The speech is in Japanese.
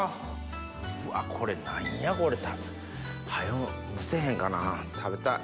うわっこれ何やこれ早蒸せへんかな食べたい。